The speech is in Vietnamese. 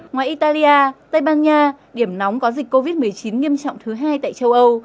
ngoài italia tây ban nha điểm nóng có dịch covid một mươi chín nghiêm trọng thứ hai tại châu âu